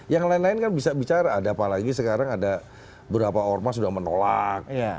yang lain lain kan bisa bicara apalagi sekarang ada berapa orma sudah menolak